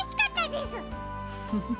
フフ。